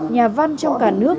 nhà văn trong cả nước